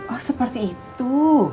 oh seperti itu